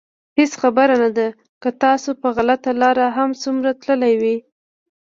هېڅ خبره نه ده که تاسو په غلطه لاره هر څومره تللي وئ.